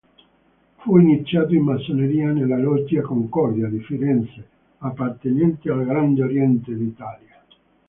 Fu iniziato in Massoneria nella Loggia "Concordia" di Firenze, appartenente al Grande Oriente d'Italia.